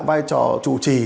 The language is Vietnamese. và vai trò chủ đạo